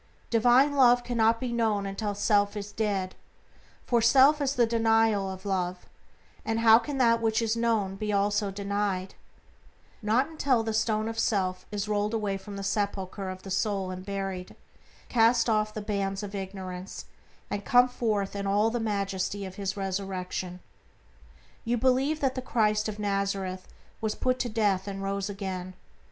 Divine Love cannot be known until self is dead, for self is the denial of Love, and how can that which is known be also denied? Not until the stone of self is rolled away from the sepulcher of the soul does the immortal Christ, the pure Spirit of Love, hitherto crucified, dead and buried, cast off the bands of ignorance, and come forth in all the majesty of His resurrection. You believe that the Christ of Nazareth was put to death and rose again.